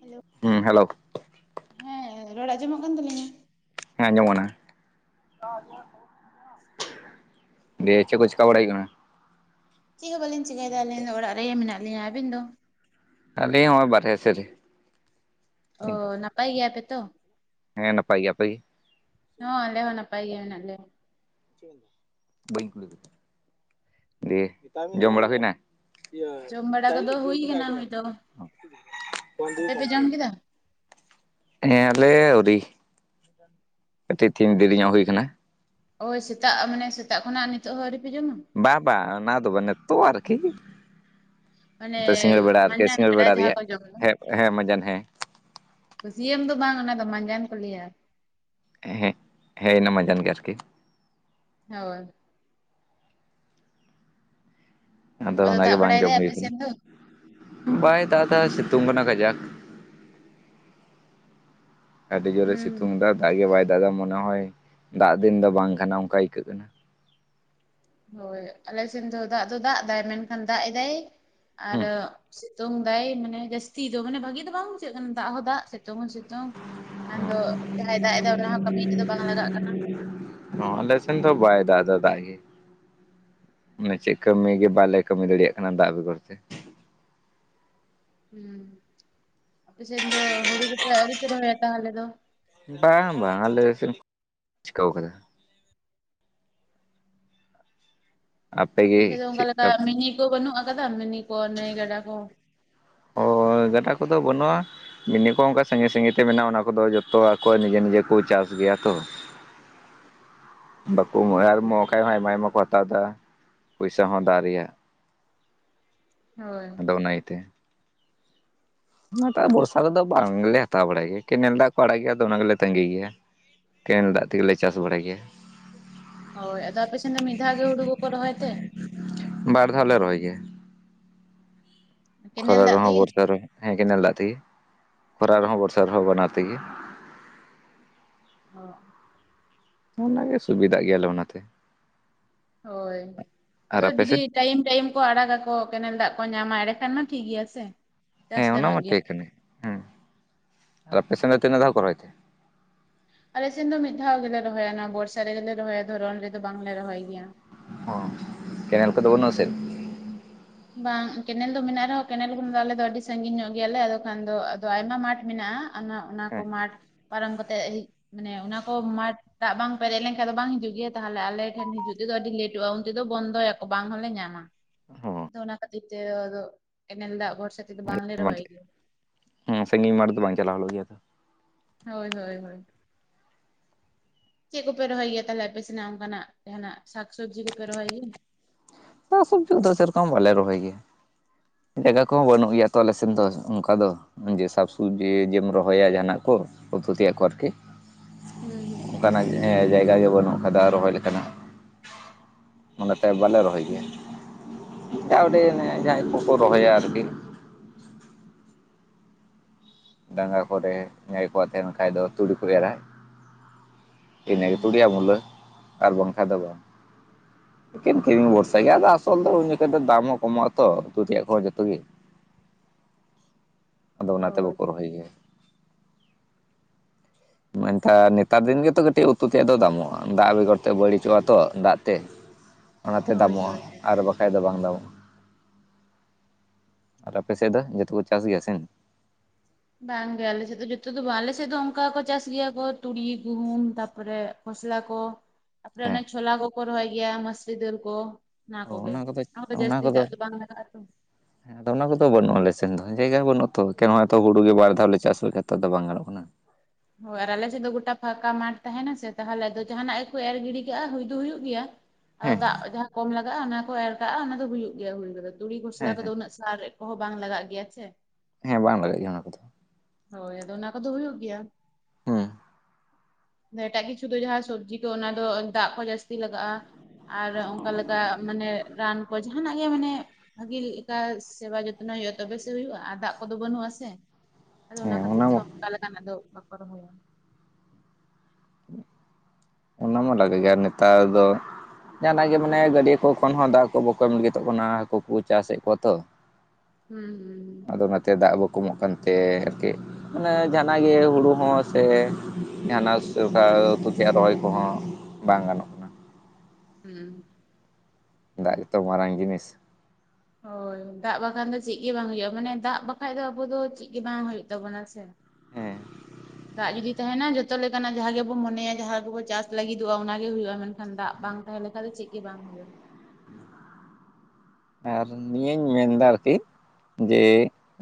Hello. ᱦᱮᱸ hello. ᱦᱮᱸ ᱨᱚᱲ ᱟᱸᱡᱚᱢᱚᱜ ᱠᱟᱱ ᱛᱟᱞᱤᱧᱟ᱾ ᱦᱮᱸ ᱟᱸᱡᱚᱢᱚᱜ ᱠᱟᱱᱟ [unintelligible] [unintelligible] ᱫᱤᱭᱮ ᱪᱮᱫ ᱠᱚ ᱪᱮᱠᱟ ᱵᱟᱲᱟᱭ ᱦᱩᱭᱩ ᱠᱟᱱᱟ? ᱪᱮᱫ ᱦᱚᱸ ᱵᱟᱹᱞᱤᱧ ᱪᱮᱠᱟᱹᱭᱫᱟ ᱟᱹᱞᱤᱧ ᱫᱚ ᱚᱲᱟᱜ ᱨᱮᱜᱮ ᱢᱮᱱᱟᱜ ᱞᱤᱧᱟᱹ ᱟᱹᱵᱤᱱ ᱫᱚ? ᱟᱞᱤᱧ ᱦᱚᱸᱜᱼᱚᱭ ᱵᱟᱨᱦᱮ ᱥᱮᱫ ᱨᱮ ᱚ ᱱᱟᱯᱟᱭ ᱜᱮᱭᱟ ᱯᱮ ᱛᱚ? ᱦᱮᱸ ᱱᱟᱯᱟᱭ ᱜᱮ, ᱟᱯᱮ ᱜᱮ? ᱦᱚᱸ ᱟᱞᱮ ᱦᱚᱸ ᱱᱟᱯᱟᱭ ᱜᱮ ᱢᱮᱱᱟᱜ ᱞᱮᱭᱟ᱾ ᱵᱟᱹᱧ ᱫᱤᱭᱮ ᱡᱚᱢ ᱵᱟᱲᱟ ᱦᱩᱭᱱᱟ? ᱡᱚᱢ ᱵᱟᱲᱟ ᱠᱚᱫᱚ ᱦᱩᱭ ᱠᱟᱱᱟ ᱦᱩᱭ ᱫᱚ ᱟᱯᱮ ᱯᱮ ᱡᱚᱢ ᱠᱮᱫᱟ? [inaudible] ᱦᱮᱸ ᱟᱞᱮ ᱟᱹᱣᱨᱤ ᱠᱟᱹᱴᱤᱡ ᱛᱤᱧ ᱫᱮᱨᱤᱧᱚᱜ ᱦᱩᱭ ᱠᱟᱱᱟ᱾ ᱳᱭ ᱥᱮᱛᱟᱜ ᱢᱟᱱᱮ ᱥᱮᱛᱟᱜ ᱠᱷᱚᱱᱟᱜ ᱱᱤᱛᱚᱜ ᱦᱚᱸ ᱟᱹᱣᱨᱤᱯᱮ ᱡᱚᱢᱟ? ᱵᱟ ᱵᱟ ᱚᱱᱟ ᱫᱚ ᱵᱟ ᱱᱤᱛᱜ ᱟᱨᱠᱤ᱾ ᱢᱟᱱᱮ ᱱᱤ ᱥᱤᱸᱜᱟᱹᱲ ᱵᱮᱲᱟ ᱟᱨᱠᱤ ᱢᱟᱸᱡᱟᱱ ᱥᱤᱸᱜᱟᱹᱲ ᱵᱮᱲᱟ ᱡᱟᱦᱟᱸ ᱨᱮᱭᱟᱜ ᱠᱚ ᱡᱚᱢ ᱫᱚ ᱦᱮ ᱦᱮᱸ ᱢᱟᱡᱟᱱ ᱦᱮᱸ᱾ ᱵᱟᱹᱥᱭᱟᱹᱢ ᱫᱚ ᱵᱟᱝ ᱚᱱᱟ ᱫᱚ ᱢᱟᱸᱡᱟᱱ ᱠᱚ ᱞᱮᱭᱟ᱾ ᱦᱮᱸ ᱦᱮᱸᱤᱱᱟᱹᱢᱟᱡᱟᱱ ᱜᱮ ᱟᱨᱠᱤ᱾ ᱦᱳᱭ ᱟᱫᱚ ᱚᱱᱟᱜᱮ ᱫᱟᱜ ᱵᱟᱝ ᱵᱟᱲᱟᱭ ᱡᱚᱢ ᱫᱟᱭ ᱦᱩᱭ ᱟᱯᱮ ᱠᱟᱱᱟ᱾ ᱥᱮᱱ ᱫᱚ? ᱵᱟᱭ ᱫᱟᱜ ᱫᱟ ᱥᱤᱛᱩᱝ ᱠᱟᱱᱟ ᱠᱟᱡᱟᱠ᱾ ᱟᱹᱰᱤ ᱡᱳᱨᱮ ᱦᱩᱸ ᱥᱤᱛᱩᱝ ᱫᱟ᱾ ᱫᱟᱜ ᱜᱮ ᱵᱟᱭ ᱫᱟᱜ ᱫᱟ ᱢᱚᱱᱮ ᱦᱚᱭ, ᱫᱟᱜ ᱫᱤᱱ ᱫᱚ ᱵᱟᱝ ᱠᱟᱱᱟ ᱚᱱᱠᱟ ᱟᱹᱭᱠᱟᱹᱜ ᱠᱟᱱᱟ᱾ ᱦᱳᱭ ᱟᱞᱮᱥᱮᱱ ᱫᱚ ᱫᱟᱜ ᱫᱚ ᱫᱟᱜ ᱫᱟᱭ ᱢᱮᱱᱠᱷᱟᱱ ᱫᱟᱜ ᱮᱫᱟᱭ ᱟᱨ ᱦᱩᱸ ᱥᱤᱛᱩᱝ ᱫᱟᱭ ᱢᱟᱱᱮ ᱡᱟᱹᱥᱛᱤ ᱫᱚ ᱢᱟᱱᱮ ᱵᱷᱟᱜᱤ ᱫᱚ ᱵᱟᱝ ᱵᱩᱡᱷᱟᱹᱜ ᱠᱟᱱᱟ᱾ ᱫᱟᱜ ᱦᱚᱸ ᱫᱟᱜ ᱥᱤᱛᱩᱝ ᱦᱚᱸ ᱥᱤᱛᱩᱝ᱾ ᱠᱷᱟᱱ ᱫᱚ ᱡᱟᱦᱟᱸᱭ ᱫᱟᱜ ᱮᱫᱟ ᱚᱱᱟᱦ ᱠᱟᱹᱢᱤ ᱛᱮᱫᱚ ᱵᱟᱝ ᱞᱟᱜᱟᱜ ᱠᱟᱱᱟ᱾ ᱦᱚᱸ ᱞᱮᱥᱮᱱ ᱫᱚ ᱵᱟᱭ ᱫᱟᱜ ᱫᱟ ᱫᱟᱜ ᱜᱮ᱾ ᱢᱟᱱᱮ ᱪᱮᱫ ᱠᱟᱹᱢᱤ ᱜᱮ ᱵᱟᱞᱮ ᱠᱟᱹᱢᱤ ᱫᱟᱲᱮᱭᱟᱜ ᱠᱟᱱᱟ ᱫᱟᱜ ᱵᱮᱜᱚᱨ ᱛᱮ᱾ ᱦᱩᱸ, ᱟᱯᱮ ᱥᱮᱱ ᱫᱚ ᱦᱩᱲᱩ ᱠᱚᱯᱮ ᱟᱹᱣᱨᱤᱯᱮ ᱨᱚᱦᱚᱭᱟ ᱛᱟᱦᱞᱮ ᱫᱚ᱾ ᱵᱟᱝ ᱵᱟᱝ ᱟᱞᱮ ᱥᱮᱫ ᱫᱚ ᱪᱤᱠᱟᱹᱣ ᱠᱟᱫᱟ᱾ ᱟᱯᱮᱥᱮᱫ ᱟᱯᱮᱜᱮ ᱫᱚ ᱚᱝᱠᱟ ᱞᱮᱠᱟ ᱪᱮᱫᱠᱟ ᱢᱤᱱᱤ ᱠᱚ ᱵᱟᱹᱱᱩᱜ ᱠᱟᱫᱟ ᱢᱤᱱᱤ ᱠᱚ ᱱᱟᱹᱭ ᱜᱟᱰᱟ ᱠᱚ᱾ ᱚ ᱜᱟᱰᱟ ᱠᱚᱫᱚ ᱵᱟᱹᱱᱩᱜᱼᱟ᱾ ᱢᱤᱱᱤ ᱠᱚ ᱚᱱᱠᱟ ᱥᱟᱸᱜᱤᱧ ᱥᱟᱸᱜᱤᱧ ᱛᱮ ᱢᱮᱱᱟᱜᱼᱟ ᱚᱱᱟ ᱠᱚᱫᱚ ᱡᱚᱛᱚ ᱟᱠᱚᱣᱟᱜ ᱱᱤᱡᱮ ᱱᱤᱡᱮ ᱠᱚ ᱪᱟᱥ ᱜᱮᱭᱟ ᱛᱚ᱾ [unintelligible] ᱵᱟᱠᱚ ᱮᱢᱚᱜᱼᱟ ᱟᱨ ᱮᱢᱚᱜ ᱠᱷᱟᱱ ᱦᱚᱸ ᱟᱭᱢᱟ ᱟᱭᱢᱟ ᱠᱚ ᱦᱟᱛᱟᱣ ᱫᱟ ᱯᱚᱭᱥᱟ ᱦᱚᱸ ᱫᱟᱜ ᱨᱮᱭᱟᱜ᱾ ᱦᱳᱭ। ᱟᱫᱚ ᱚᱱᱟ ᱤᱭᱟᱹᱛᱮ ᱚᱱᱟ ᱫᱟᱜ ᱵᱚᱨᱥᱟ ᱨᱮᱫᱚ ᱵᱟᱝᱞᱮ ᱦᱟᱛᱟᱣ ᱵᱟᱲᱟᱭ ᱜᱮᱭᱟ ᱠᱮᱱᱮᱞ ᱫᱟᱜ ᱠᱚ ᱟᱲᱟᱜ ᱜᱮᱭᱟ ᱟᱫᱚ ᱚᱱᱟ ᱜᱮᱞᱮ ᱛᱟᱸᱜᱤ ᱜᱮᱭᱟ। ᱠᱮᱱᱮᱞ ᱫᱟᱜ ᱛᱮᱜᱮᱞᱮ ᱪᱟᱥ ᱵᱟᱲᱟᱭ ᱜᱮᱭᱟ। ᱦᱳᱭ ᱟᱫᱚ ᱟᱯᱮ ᱥᱮᱛ ᱫᱚ ᱢᱤᱫᱫᱷᱟᱣ ᱜᱮ ᱦᱩᱲᱩ ᱫᱚᱠᱚ ᱨᱚᱦᱚᱭ ᱛᱮ? ᱵᱟᱨ ᱫᱷᱟᱣ ᱞᱮ ᱨᱚᱦᱚᱭ ᱜᱮᱭᱟ। ᱠᱮᱱᱮᱞ ᱠᱷᱚᱨᱟ ᱫᱟᱜ ᱨᱮᱦᱚᱸ ᱛᱮᱜᱮ ᱵᱚᱨᱥᱟ ᱨᱮᱦᱚᱸ ᱦᱮᱸ ᱠᱮᱱᱮᱞ ᱫᱟᱜ ᱛᱮᱜᱮ ᱠᱷᱚᱨᱟ ᱨᱮᱦᱚᱸ ᱵᱚᱨᱥᱟ ᱨᱮᱦᱚᱸ ᱵᱟᱱᱟᱨ ᱛᱮᱜᱮ। ᱚ। ᱚᱱᱟᱜᱮ ᱥᱩᱵᱤᱫᱟᱜ ᱜᱮᱭᱟᱞᱮ ᱚᱱᱟᱛᱮ। ᱦᱳᱭ ᱟᱨ ᱟᱫᱚ ᱡᱩᱫᱤ ᱟᱯᱮᱥᱮᱫ ᱴᱟᱭᱤᱢ ᱴᱟᱭᱤᱢ ᱠᱚ ᱟᱲᱟᱜᱟᱠᱚ ᱠᱮᱱᱮᱞ ᱫᱟᱜ ᱠᱚ ᱧᱟᱢᱟ ᱮᱸᱰᱮ ᱠᱷᱟᱱ ᱢᱟ ᱴᱷᱤᱠ ᱜᱮᱭᱟ ᱥᱮ। ᱪᱟᱥ ᱦᱮᱸ ᱚᱱᱟ ᱢᱟ ᱜᱟᱱᱚᱜ ᱜᱮᱭᱟ ᱴᱷᱤᱠ ᱠᱟᱱᱮ ᱚᱸ ᱟᱨᱚ ᱯᱮᱥᱮᱱᱴ ᱫᱚ ᱛᱤᱱᱟᱹᱜ ᱫᱷᱟᱣ ᱠᱚ ᱨᱚᱦᱚᱭ ᱛᱮ? ᱟᱞᱮ ᱥᱮᱱ ᱫᱚ ᱢᱤᱫ ᱫᱷᱟᱣ ᱜᱮᱞᱮ ᱨᱚᱦᱚᱭᱟ ᱚᱱᱟ ᱵᱚᱨᱥᱟ ᱨᱮᱜᱮ ᱞᱮ ᱨᱚᱦᱚᱭᱟ ᱫᱷᱚᱨᱚᱱ ᱨᱮᱫᱚ ᱵᱟᱝ ᱞᱮ ᱨᱚᱦᱚᱭ ᱜᱮᱭᱟ। ᱚ ᱠᱮᱱᱮᱞ ᱠᱚᱫᱚ ᱵᱚᱱᱩᱜᱼᱟ ᱥᱮ? ᱵᱟᱝ ᱠᱮᱱᱮᱞ ᱫᱚ ᱢᱮᱱᱟᱜ ᱨᱮᱦᱚᱸ ᱠᱮᱱᱮᱞ ᱠᱷᱚᱱ ᱫᱚ ᱟᱞᱮ ᱫᱚ ᱟᱹᱰᱤ ᱥᱟᱺᱜᱤᱧ ᱧᱚᱜ ᱜᱮᱭᱟᱞᱮ ᱟᱫᱚ ᱠᱷᱟᱱ ᱫᱚ ᱟᱫᱚ ᱟᱭᱢᱟ ᱢᱟᱴᱷ ᱢᱮᱱᱟᱜᱼᱟ। ᱚᱱᱟ ᱚᱱᱟ ᱠᱚ ᱦᱮᱸ ᱢᱟᱴ ᱯᱟᱨᱚᱢ ᱠᱟᱛᱮᱜ ᱢᱟᱱᱮ ᱚᱱᱟ ᱠᱚ ᱢᱟᱴ ᱫᱟᱜ ᱵᱟᱝ ᱯᱮᱨᱮᱡ ᱞᱮᱱᱠᱷᱟᱱᱡ ᱫᱚ ᱵᱟᱝ ᱦᱤᱡᱩᱜ ᱫᱟᱜ ᱵᱟᱝ ᱯᱮᱨᱮᱡ ᱞᱮᱱᱠᱷᱟᱡ ᱫᱚ ᱵᱟᱝ ᱦᱤᱡᱩᱜ ᱜᱮᱭᱟ ᱛᱟᱦᱞᱮ ᱟᱞᱮ ᱴᱷᱮᱱ ᱦᱤᱡᱩᱜ ᱛᱮᱫᱚ ᱟᱹᱰᱤ ᱞᱮᱴᱚᱜᱼᱟ ᱩᱱᱛᱮᱫᱚ ᱵᱚᱱᱫᱚᱭᱟᱠᱚ ᱵᱟᱝ ᱦᱚᱸᱞᱮ ᱧᱟᱢᱟ। ᱦᱚᱸ। ᱟᱫᱚ ᱚᱱᱟ ᱠᱷᱟᱹᱛᱤᱨ ᱛᱮ ᱟᱫᱚ ᱠᱮᱱᱮᱞ ᱫᱟᱜ ᱵᱷᱚᱨᱥᱟ ᱛᱮᱫᱚ ᱵᱟᱝ ᱞᱮ ᱨᱚᱦᱚᱭ ᱜᱮᱭᱟ। ᱦᱩᱸ ᱥᱟᱺᱜᱤᱧ ᱢᱟᱴ ᱫᱚ ᱵᱟᱝ ᱪᱟᱞᱟᱣ ᱦᱩᱭᱩᱜ ᱜᱮᱭᱟ ᱛᱚ। ᱦᱳᱭ ᱦᱳᱭ ᱦᱳᱭ। ᱪᱮᱜ ᱠᱚᱯᱮ ᱨᱚᱦᱚᱭ ᱜᱮᱭᱟ ᱛᱟᱦᱞᱮ ᱟᱯᱮ ᱥᱮᱱᱟᱜ ᱚᱱᱠᱟᱱᱟᱜ ᱡᱟᱦᱟᱱᱟᱜ ᱥᱟᱠ ᱥᱚᱵᱽᱡᱤ ᱠᱚᱯᱮ ᱨᱚᱦᱚᱭ ᱜᱮᱭᱟ? ᱥᱟᱠ ᱥᱚᱵᱽᱡᱤ ᱫᱚ ᱥᱮᱨᱚᱠᱚᱢ ᱵᱟᱞᱮ ᱨᱚᱦᱚᱭ ᱜᱮᱭᱟ। ᱡᱟᱭᱜᱟ ᱠᱚᱦᱚᱸ ᱵᱟᱹᱱᱩᱜ ᱜᱮᱭᱟ ᱛᱚ ᱟᱞᱮᱥᱮᱱ ᱫᱚ ᱚᱱᱠᱟ ᱫᱚ। ᱡᱮ ᱥᱟᱠᱼᱥᱚᱵᱽᱡᱤ ᱡᱮᱢ ᱨᱚᱦᱚᱭᱟ ᱡᱟᱦᱟᱱᱟᱜ ᱠᱚ ᱩᱛᱩ ᱛᱮᱭᱟᱜ ᱠᱚ ᱟᱨᱠᱤ। ᱦᱩᱸ ᱦᱩᱸ। ᱚᱱᱠᱟᱱᱟᱜ ᱮᱸ ᱡᱟᱭᱜᱟ ᱜᱮ ᱵᱟᱹᱱᱩᱜ ᱟᱠᱟᱫᱟ ᱨᱚᱦᱚᱭ ᱞᱮᱠᱟᱱᱟᱜ। ᱚᱱᱟ ᱛᱮ ᱵᱟᱞᱮ ᱨᱚᱦᱚᱭ ᱜᱮᱭᱟ, ᱡᱟ ᱚ ᱩᱰᱤᱡ ᱚᱱᱮ ᱡᱟᱦᱟᱸᱭ ᱠᱚᱠᱚ ᱨᱚᱦᱚᱭᱟ ᱟᱨᱠᱤ। ᱰᱟᱸᱜᱟ ᱠᱚᱨᱮ ᱡᱟᱸᱦᱟᱭ ᱠᱚᱣᱟᱜ ᱛᱮᱦᱮᱱ ᱠᱷᱟᱡ ᱫᱚ ᱛᱩᱲᱤ ᱠᱚ ᱮᱨᱟ। ᱦᱩᱸ ᱤᱱᱟᱹᱜᱮ ᱦᱩᱸ ᱛᱩᱲᱤ ᱟᱨ ᱢᱩᱞᱟᱹ ᱟᱨ ᱵᱟᱝ ᱠᱷᱟᱱ ᱫᱚ ᱵᱟᱝ। ᱮᱠᱮᱱ ᱠᱤᱨᱤᱧ ᱵᱷᱚᱨᱥᱟ ᱜᱮᱭᱟ ᱟᱫᱚ ᱟᱥᱚᱞ ᱫᱚ ᱩᱱ ᱡᱚᱠᱷᱚᱱ ᱫᱚ ᱫᱟᱢ ᱦᱚᱸ ᱠᱚᱢᱚᱜ ᱟᱛᱚ ᱩᱛᱩ ᱨᱮᱭᱟᱜ ᱠᱚᱦᱚᱸ ᱡᱚᱛᱚ ᱜᱮ। ᱟᱫᱚ ᱚᱱᱟ ᱛᱮ ᱦᱳᱭ ᱵᱟᱠᱚ ᱨᱚᱦᱚᱭ ᱜᱮᱭᱟ। ᱢᱮᱱ ᱠᱷᱟᱱ ᱱᱮᱛᱟᱨ ᱫᱤᱱ ᱜᱮᱛᱚ ᱠᱟᱹᱴᱤᱡ ᱩᱛᱩ ᱛᱮᱭᱟᱜ ᱫᱚ ᱫᱟᱢᱚᱜᱼᱟ, ᱫᱟᱜ ᱵᱮᱜᱚᱨ ᱛᱮ ᱵᱟᱹᱲᱤᱡᱚᱜᱼᱟ ᱛᱚ ᱫᱟᱜ ᱛᱮ। [unintelligible] ᱚᱱᱟᱛᱮ ᱫᱟᱢᱚᱜᱼᱟ ᱦᱳᱭ ᱟᱨ ᱵᱟᱠ ᱵᱟᱠᱷᱟᱡ ᱫᱚ ᱵᱟᱝ ᱫᱟᱢᱚᱜᱼᱟ ᱟᱨ ᱟᱯᱮ ᱥᱮᱜ ᱫᱚ ᱡᱚᱛᱚ ᱠᱚ ᱪᱟᱥ ᱜᱮᱭᱟ ᱥᱮ? ᱵᱟᱝᱜᱮ ᱟᱞᱮᱥᱮᱜ ᱫᱚ ᱡᱚᱛᱚ ᱫᱚ ᱵᱟᱝ ᱟᱞᱮᱥᱮᱜ ᱫᱚ ᱚᱱᱠᱟ ᱠᱚ ᱪᱟᱥ ᱜᱮᱭᱟ ᱠᱚ ᱛᱩᱲᱤ ᱜᱩᱦᱩᱢ ᱛᱟᱯᱚᱨᱮ ᱢᱚᱥᱞᱟ ᱠᱚ ᱛᱟᱯᱚᱨᱮ ᱚᱱᱮ ᱦᱮᱸ ᱪᱷᱚᱞᱟ ᱠᱚᱠᱚ ᱨᱚᱦᱚᱭ ᱜᱮᱭᱟ ᱢᱟᱥᱨᱤ ᱫᱟᱹᱞ ᱠᱚ। ᱚᱱᱟ ᱠᱚᱜᱮ ᱚᱱᱟ ᱠᱚᱫᱚ ᱡᱟᱥᱛᱤ ᱫᱟᱜ ᱫᱚ ᱵᱟᱝ ᱞᱟᱜᱟᱜ ᱟᱛᱚ। ᱦᱮᱸ। ᱟᱫᱚ ᱚᱱᱟ ᱠᱚᱫᱚ ᱵᱟᱹᱱᱩᱜᱼᱟ ᱟᱞᱮ ᱥᱮᱱ ᱫᱚ ᱡᱟᱭᱜᱟ ᱦᱚᱸ ᱵᱟᱹᱱᱩᱜᱼᱟ ᱛᱚ ᱮᱠᱮᱱ ᱦᱚᱸᱜ-ᱚᱭ ᱛᱚ ᱜᱩᱲᱩ ᱜᱮ ᱵᱟᱨ ᱫᱷᱟᱣ ᱞᱮ ᱪᱟᱥ ᱨᱮᱜᱮ ᱛᱚ ᱟᱫᱚ ᱵᱟᱝ ᱜᱟᱱᱚᱜ ᱠᱟᱱᱟ। ᱦᱳᱭ ᱟᱨ ᱟᱞᱮᱥᱮᱡ ᱫᱚ ᱜᱚᱴᱟ ᱯᱷᱟᱸᱠᱟ ᱢᱟᱴ ᱛᱟᱦᱮᱱᱟ ᱥᱮ ᱛᱟᱦᱞᱮ ᱫᱚ ᱡᱟᱦᱟᱱᱟᱜ ᱜᱮᱠᱚ ᱮᱨ ᱜᱤᱰᱤ ᱠᱟᱜᱼᱟ ᱦᱩᱭ ᱫᱚ ᱦᱩᱭᱩᱜ ᱜᱮᱭᱟ ᱟᱫᱚ ᱦᱮᱸ ᱫᱟᱜ ᱡᱟᱦᱟᱸ ᱠᱚᱢ ᱞᱟᱜᱟᱜᱼᱟ ᱚᱱᱟ ᱠᱚ ᱮᱨ ᱠᱟᱜᱼᱟ ᱚᱱᱟ ᱫᱚ ᱦᱩᱭᱩᱜ ᱜᱮᱭᱟ ᱦᱩᱭ ᱠᱚᱫᱚ ᱛᱩᱲᱤ ᱠᱷᱚᱥᱞᱟ ᱦᱮᱸ ᱠᱚᱫᱚ ᱩᱱᱟᱹᱜ ᱥᱟᱨ ᱮᱜ ᱠᱚᱦᱚᱸ ᱵᱟᱝ ᱞᱟᱜᱟᱜ ᱜᱮᱭᱟ ᱪᱮ। ᱦᱮᱸ ᱵᱟᱝ ᱞᱟᱜᱟᱜ ᱜᱮᱭᱟ ᱚᱱᱟ ᱠᱚᱫᱚ। ᱦᱳᱭ ᱟᱫᱚ ᱚᱱᱟ ᱠᱚᱫᱚ ᱦᱩᱭᱩᱜ ᱜᱮᱭᱟ। ᱦᱩᱸ। ᱱᱮ ᱮᱴᱟᱜ ᱠᱤᱪᱷᱩ ᱫᱚ ᱡᱟᱦᱟᱸ ᱥᱚᱵᱽᱡᱤ ᱠᱚ ᱚᱱᱟ ᱫᱚ ᱫᱟᱜ ᱠᱚ ᱡᱟᱹᱥᱛᱤ ᱞᱟᱜᱟᱜᱼᱟ। ᱟᱨ ᱚᱝᱠᱟ ᱞᱮᱠᱟ ᱢᱟᱱᱮ ᱨᱟᱱ ᱠᱚ ᱡᱟᱼᱼ ᱡᱟᱦᱟᱱᱟᱜ ᱜᱮ ᱢᱟᱱᱮ ᱵᱷᱟᱜᱤ ᱞᱮᱠᱟ ᱥᱮᱵᱟ ᱡᱚᱛᱱᱚᱭ ᱦᱩᱭᱩᱜᱼᱟ ᱛᱚᱵᱮ ᱥᱮ ᱦᱩᱭᱩᱜᱼᱟ ᱟᱨ ᱫᱟᱜ ᱠᱚᱫᱚ ᱵᱟᱹᱱᱩᱜᱼᱟ ᱥᱮᱼᱼ ᱟᱫᱚ ᱦᱮᱸ ᱚᱱᱟ ᱠᱷᱟᱹᱛᱤᱨ ᱛᱮ ᱢᱟ ᱚᱱᱠᱟ ᱞᱮᱠᱟᱱᱟᱜ ᱫᱚ ᱵᱟᱠᱚ ᱨᱚᱦᱚᱭᱟ᱾ ᱚᱱᱟ ᱢᱟ ᱞᱟᱜᱮ ᱜᱮ ᱟᱨ ᱱᱮᱛᱟᱨ ᱫᱚ ᱡᱟᱦᱟᱱᱟᱜ ᱜᱮ ᱢᱟᱱᱮ ᱜᱟᱹᱰᱭᱟᱹ ᱠᱚ ᱠᱷᱚᱱ ᱦᱚᱸ ᱫᱟᱜ ᱠᱚ ᱵᱟᱠᱚ ᱮᱢ ᱞᱟᱹᱜᱤᱫᱚᱜ ᱠᱟᱱᱟ ᱦᱟᱹᱠᱩ ᱠᱚ ᱪᱟᱥᱮᱜ ᱠᱚᱣᱟ ᱛᱚ᱾ ᱦᱩᱸ ᱦᱩᱸ᱾ ᱟᱫᱚ ᱚᱱᱟᱛᱮ ᱫᱟᱜ ᱵᱟᱠᱚ ᱮᱢᱚᱜ ᱠᱟᱱᱛᱮ ᱟᱨᱠᱤᱼᱼ ᱢᱟᱱᱮ ᱡᱟᱦᱟᱱᱟᱜ ᱜᱮ ᱦᱩᱲᱩ ᱦᱚᱸ ᱥᱮ ᱡᱟᱦᱟᱱᱟᱜ ᱥᱮ ᱚᱠᱟ ᱩᱛᱩ ᱛᱮᱭᱟᱜ ᱨᱚᱦᱚᱭᱼᱼ ᱠᱚ ᱦᱚᱸ ᱵᱟᱝ ᱜᱟᱱᱚᱜ ᱠᱟᱱᱟ ᱦᱩᱸ, ᱫᱟᱜ ᱜᱮ ᱛᱚ ᱢᱟᱨᱟᱝ ᱡᱤᱱᱤᱥ, ᱦᱳᱭ, ᱫᱟᱜ ᱵᱟᱠᱷᱟᱱ ᱫᱚ ᱪᱮᱫ ᱜᱮ ᱵᱟᱝ ᱦᱳᱭᱳᱜ ᱢᱟᱱᱮ ᱫᱟᱜ ᱵᱟᱠᱷᱟᱡ ᱫᱚ ᱟᱵᱚ ᱫᱚ ᱪᱮᱫ ᱜᱮ ᱵᱟᱝ ᱦᱳᱭᱳᱜ ᱛᱟᱵᱚᱱᱟ ᱥᱮ, ᱦᱮᱸ ᱫᱟᱜ ᱡᱩᱫᱤ ᱛᱟᱦᱮᱱᱟ ᱡᱚᱛᱚ ᱞᱮᱠᱟᱱᱟᱜ ᱡᱟᱦᱟᱸ ᱜᱮ ᱵᱚ ᱢᱚᱱᱮᱭᱟ ᱡᱟᱦᱟᱸ ᱠᱚ ᱵᱚ ᱪᱟᱥ ᱞᱟᱹᱜᱤᱫᱚᱜᱼᱟ, ᱚᱱᱟ ᱜᱮ ᱦᱩᱭᱩᱜᱼᱟ ᱢᱮᱱ ᱠᱷᱟᱱ ᱫᱟᱜ ᱵᱟᱝ ᱛᱟᱦᱚᱞᱮ ᱠᱷᱟᱱ ᱫᱚ ᱪᱮᱫ ᱜᱮ ᱵᱟᱝ ᱦᱩᱭᱩᱜᱼᱟ ᱾ ᱟᱨ ᱱᱤᱭᱟᱹᱧ ᱢᱮᱱᱫᱟ ᱟᱨᱠᱤ, ᱡᱮ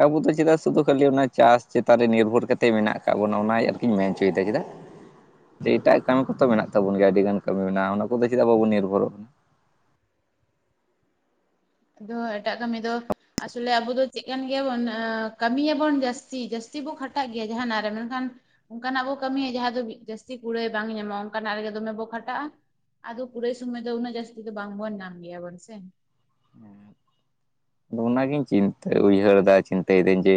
ᱟᱵᱚ ᱫᱚ ᱪᱮᱫᱟᱜ ᱥᱩᱫᱩ ᱠᱷᱟᱹᱞᱤ ᱚᱱᱟ ᱪᱟᱥ ᱪᱮᱛᱟᱱ ᱨᱮ ᱱᱤᱨᱵᱷᱚᱨ ᱠᱟᱛᱮᱫ ᱢᱮᱱᱟᱜ ᱟᱠᱟᱫ ᱵᱚᱱᱟ ᱚᱱᱟ ᱟᱨᱠᱤᱧ ᱢᱮᱱ ᱪᱚᱭᱮᱫᱟ ᱪᱮᱫᱟᱜ? [unintelligible] ᱡᱮ ᱮᱴᱟᱜ ᱠᱟᱹᱢᱤ ᱠᱚ ᱛᱚ ᱢᱮᱱᱟᱜ ᱛᱟᱵᱚᱱ ᱜᱮᱭᱟ ᱟᱹᱰᱤ ᱜᱟᱱ ᱠᱟᱹᱢᱤ ᱢᱮᱱᱟᱜᱼᱟ ᱚᱱᱟ ᱠᱚ ᱫᱚ ᱪᱮᱫᱟᱜ ᱵᱟᱵᱚᱱ ᱱᱤᱨᱵᱷᱚᱨᱚᱜ? ᱟᱫᱚ ᱦᱟᱸᱜ ᱮᱴᱟᱜ ᱠᱟᱹᱢᱤ ᱫᱚ, ᱟᱥᱚᱞᱮ ᱟᱵᱚ ᱫᱚ ᱪᱮᱫ ᱠᱟᱱ ᱜᱮᱭᱟ ᱵᱚᱱ ᱠᱟᱹᱢᱤᱭᱟ ᱵᱚᱱ ᱡᱟᱹᱥᱛᱤ ᱡᱟᱹᱥᱛᱤ ᱵᱚ ᱠᱷᱟᱴᱟᱜ ᱜᱮᱭᱟ ᱡᱟᱦᱟᱱᱟᱜ ᱨᱮ ᱢᱮᱱ ᱠᱷᱟᱱ ᱚᱝᱠᱟᱱᱟᱜ ᱵᱚ ᱠᱟᱹᱢᱤᱭᱟ ᱡᱟᱦᱟᱸ ᱫᱚ ᱡᱟᱹᱥᱛᱤ ᱠᱩᱲᱟᱹᱭ ᱵᱟᱝ ᱧᱟᱢᱚᱜᱼᱟ, ᱚᱝᱠᱟᱱᱟᱜ ᱨᱮ ᱜᱮ ᱫᱚᱢᱮ ᱵᱚ ᱠᱷᱟᱴᱟᱜᱼᱟ ᱾ ᱟᱫᱚ ᱠᱩᱲᱟᱹᱭ ᱥᱩᱢᱟᱹᱭ ᱫᱚ ᱩᱱᱟᱹᱜ ᱡᱟᱥᱛᱤ ᱫᱚ ᱵᱟᱝ ᱵᱚᱱ ᱧᱟᱢ ᱜᱮᱭᱟ ᱵᱚᱱ ᱥᱮ ᱾ ᱠᱟᱱᱟ ᱟᱫᱚ ᱚᱱᱟ ᱜᱤᱧ ᱪᱤᱱᱛᱟᱹ ᱩᱭᱦᱟᱹᱨ ᱫᱟ ᱪᱤᱱᱛᱟᱹᱭᱮᱫᱟᱹᱧ ᱡᱮᱼᱼ